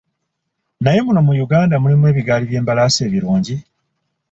Naye muno mu Uganda mulimu ebiggaali by'embalaasi ebirungi?